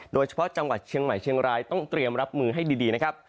โดยเฉพาะจังหวัดเชียงใหม่เชียงรายต้องเตรียมรับมือให้ดีนะครับ